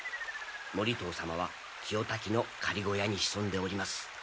盛遠様は清滝の狩り小屋に潜んでおります。